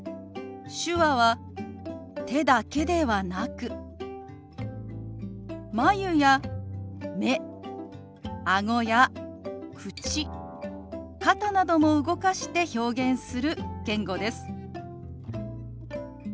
手話は手だけではなく眉や目あごや口肩なども動かして表現する言語です。